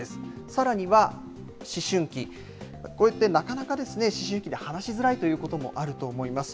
さらには思春期、こうやってなかなか思春期で話しづらいということもあると思います。